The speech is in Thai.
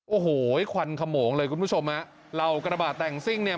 โอ้โหควันขโมงเลยคุณผู้ชมฮะเหล่ากระบาดแต่งซิ่งเนี่ย